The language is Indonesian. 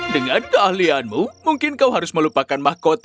dengan keahlianmu mungkin kau harus melupakan mahkota dan mulutmu